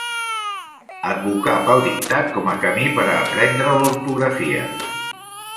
Advocà pel dictat com a camí per a aprendre l'ortografia.